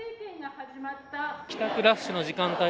帰宅ラッシュの時間帯